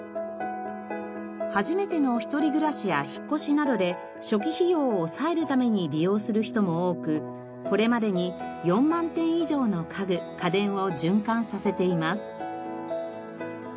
初めての一人暮らしや引っ越しなどで初期費用を抑えるために利用する人も多くこれまでに４万点以上の家具・家電を循環させています。